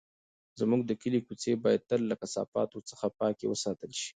زموږ د کلي کوڅې باید تل له کثافاتو څخه پاکې وساتل شي.